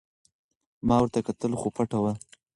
ما ورته کتل خو پټه وه.